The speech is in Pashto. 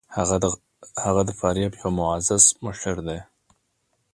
هغه د فاریاب یو معزز مشر دی.